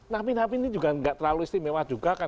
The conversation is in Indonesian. napi napi ini juga nggak terlalu istimewa juga kan